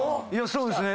そうですね。